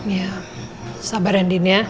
ya sabar rendy nih ya